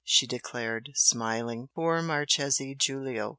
she declared, smiling "Poor Marchese Giulio!